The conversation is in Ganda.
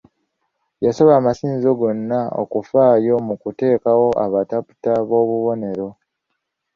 Yasaba amasinzizo gonna okufaayo mu kuteekawo abataputa ab'obubonero.